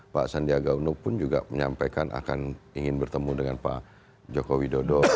pak sandiaga uno pun juga menyampaikan akan ingin bertemu dengan pak joko widodo